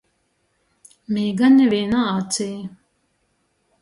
Mīga nivīnā acī.